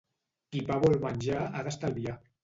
Qui pa vol menjar ha d'estalviar.